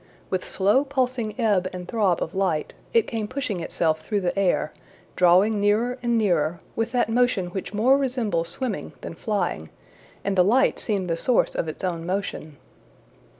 With slow pulsing ebb and throb of light, it came pushing itself through the air, drawing nearer and nearer, with that motion which more resembles swimming than flying, and the light seemed the source of its own motion.